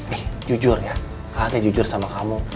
eh jujur ya a a teh jujur sama kamu